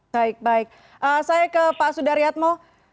baik baik saya ke pak sudaryatmo